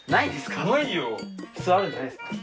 普通あるんじゃないですか。